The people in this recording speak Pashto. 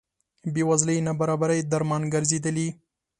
بې وزلۍ نابرابرۍ درمان ګرځېدلي.